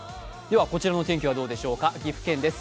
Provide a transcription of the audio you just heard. こちらの天気はどうでしょうか、岐阜県です。